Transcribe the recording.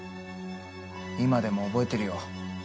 今でも覚えてるよ。